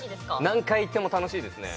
何回行っても楽しいですね